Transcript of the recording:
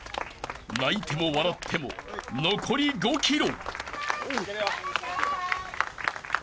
［泣いても笑っても残り５ｋｍ］